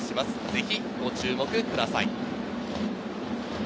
ぜひご注目ください。